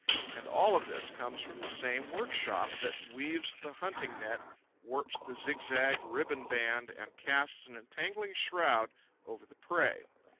And all of this comes from the same workshop that weaves the hunting net, warps the zigzag ribbon band and casts an entangling shroud over the prey.